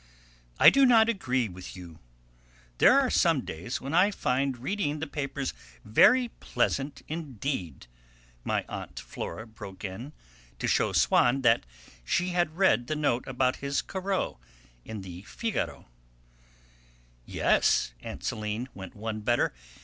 "I do not agree with you: there are some days when I find reading the papers very pleasant indeed!" my aunt Flora broke in, to show Swann that she had read the note about his Corot in the Figaro. "Yes," aunt Céline went one better.